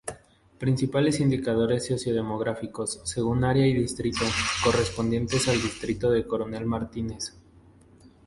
Principales indicadores socio-demográficos, según área y distrito, correspondientes al distrito de Coronel Martínez.